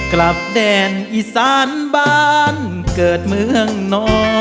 กลับแดนอีสานบ้านเกิดเมืองนอ